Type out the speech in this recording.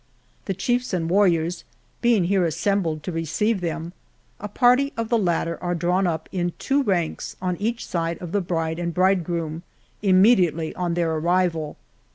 , The chiefs and warriors, being here assembled to receive them, a party of the latter are drawn up in two ranks on each side of the bride and bridegroom immediately on their arrival.